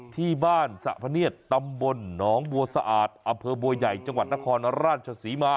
ที่บ้านสตำบลหงบัวสะอาดอัพเพิย์บัวใหญ่จังหวัดนครราชศรีมา